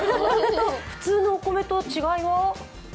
普通のお米と違いは？